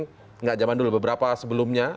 tidak zaman dulu beberapa sebelumnya